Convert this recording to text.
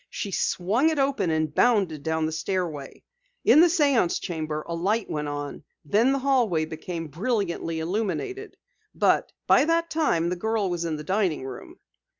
She swung it open, and bounded down the stairway. In the séance chamber a light went on, then the hallway became brilliantly illuminated. But by that time the girl was in the dining room.